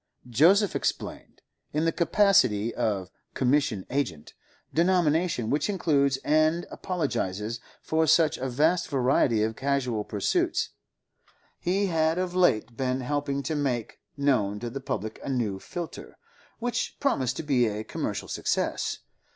Joseph explained. In the capacity of 'commission agent'—denomination which includes and apologises for such a vast variety of casual pursuits—he had of late been helping to make known to the public a new filter, which promised to be a commercial success.